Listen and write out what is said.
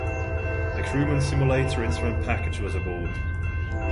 A Crewman Simulator instrument package was aboard.